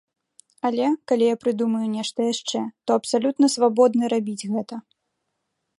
Але, калі я прыдумаю нешта яшчэ, то абсалютна свабодны рабіць гэта.